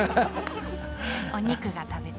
お肉が食べたい？